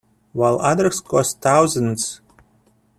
while others cost thousands?